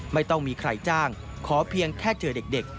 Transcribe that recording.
ไม่ต้องมีใครจ้างขอเพียงแค่เจอเด็ก